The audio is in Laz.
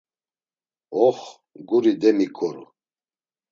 Ox… guri demikoru.